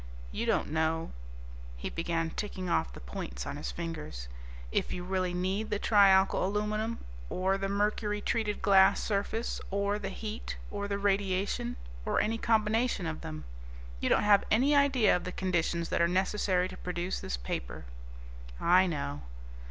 You don't know" he began ticking off the points on his fingers "if you really need the trialkyl aluminum, or the mercury treated glass surface, or the heat, or the radiation, or any combination of them. You don't have any idea of the conditions that are necessary to produce this paper." "I know."